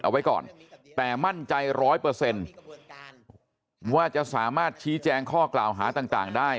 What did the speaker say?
เอาไว้ก่อนแต่มั่นใจ๑๐๐ว่าจะสามารถชี้แจงข้อกราวหาต่างได้